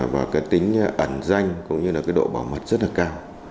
và cái tính ẩn danh cũng như là cái độ bảo mật rất là cao